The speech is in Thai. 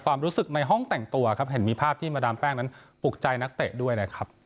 ความรู้สึกในห้องแต่งตัวครับเห็นมีภาพที่มาดามแป้งนั้นปลูกใจนักเตะด้วยนะครับ